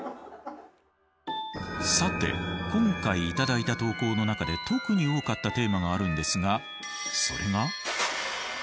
さて今回頂いた投稿の中で特に多かったテーマがあるんですがそれがＵＭＡ